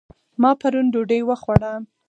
ما پرون ډوډۍ وخوړه